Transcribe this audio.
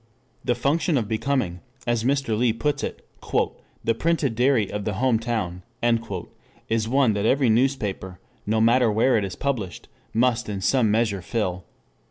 The function of becoming, as Mr. Lee puts it, "the printed diary of the home town" is one that every newspaper no matter where it is published must in some measure fill.